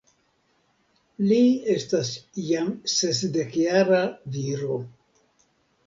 Li estas jam sesdekjara viro.